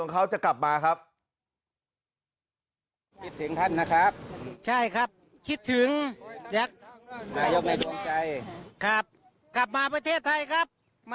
มาช่วยประเทศไทยครับ